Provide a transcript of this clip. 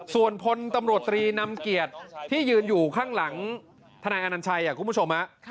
ส่วนพลตำรวจตรีนำเกียรติที่ยืนอยู่ข้างหลังทนายอนัญชัยคุณผู้ชม